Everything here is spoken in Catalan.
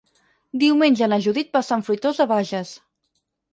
Diumenge na Judit va a Sant Fruitós de Bages.